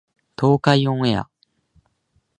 東海オンエア